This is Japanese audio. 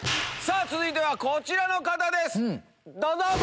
さぁ続いてはこちらの方ですどうぞ！